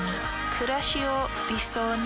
くらしを理想に。